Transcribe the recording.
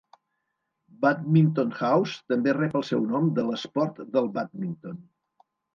Badminton House també rep el seu nom de l"esport del bàdminton.